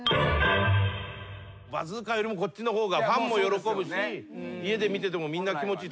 バズーカよりもこっちの方がファンも喜ぶし家で見ててもみんな気持ちいい。